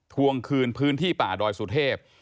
ทวงคืนพื้นที่ป่าดอยสุเทพ